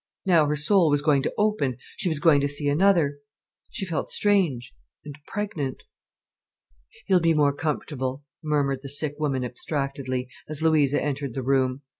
Now her soul was going to open, she was going to see another. She felt strange and pregnant. "He'll be more comfortable," murmured the sick woman abstractedly, as Louisa entered the room.